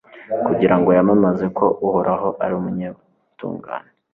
kugira ngo yamamaze ko Uhoraho ari umunyabutungane